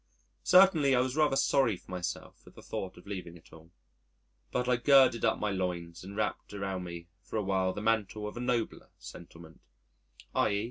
Certainly, I was rather sorry for myself at the thought of leaving it all. But I girded up my loins and wrapped around me for a while the mantle of a nobler sentiment; _i.